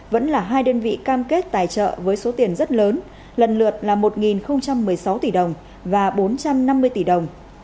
vẫn là hai đơn vị cam kết tài trợ với số tiền rất lớn lần lượt là một một mươi sáu tỷ đồng và bốn trăm năm mươi tỷ đồng